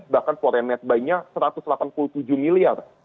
bahkan foreign net buy nya satu ratus delapan puluh tujuh miliar